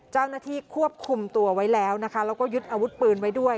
เจ้าหน้าที่ควบคุมตัวไว้แล้วนะคะแล้วก็ยึดอาวุธปืนไว้ด้วย